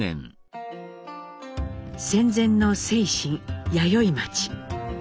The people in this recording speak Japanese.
戦前の清津弥生町。